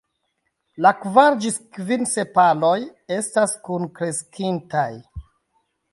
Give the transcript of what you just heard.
La kvar ĝis kvin sepaloj estas kunkreskintaj.